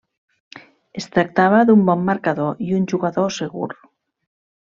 Es tractava d'un bon marcador i un jugador segur.